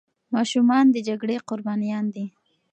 ماشومان د جګړې قربانيان دي.